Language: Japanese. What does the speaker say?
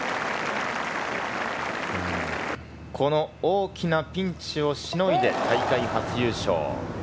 この大きなピンチをしのいで大会初優勝。